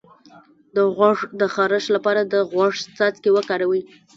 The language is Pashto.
د غوږ د خارش لپاره د غوږ څاڅکي وکاروئ